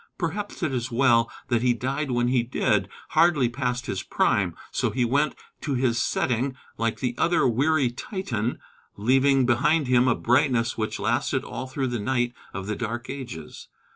Perhaps it is well that he died when he did, hardly past his prime. So he went to his setting, like the other "weary Titan," leaving behind him a brightness which lasted all through the night of the Dark Ages.